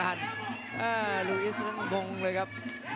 ว่าคะลูอีสนำผมเลยครับ